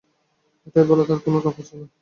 এটা বলায় তাঁর কোনো লাভ হচ্ছে না।